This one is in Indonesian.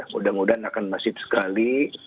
mudah mudahan akan masif sekali